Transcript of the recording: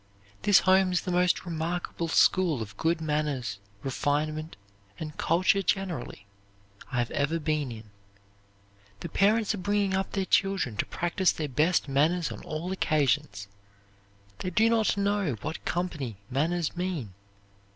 This home is the most remarkable school of good manners, refinement, and culture generally, I have ever been in. The parents are bringing up their children to practise their best manners on all occasions. They do not know what company manners mean.